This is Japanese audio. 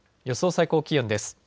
予想最高気温です。